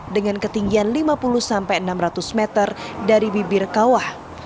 dengan ketinggian lima puluh sampai enam ratus meter dari bibir kawah